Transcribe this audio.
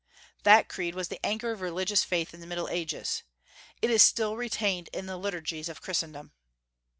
That creed was the anchor of religious faith in the Middle Ages. It is still retained in the liturgies of Christendom.